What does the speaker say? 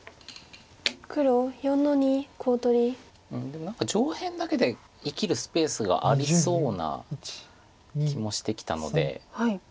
でも何か上辺だけで生きるスペースがありそうな気もしてきたので。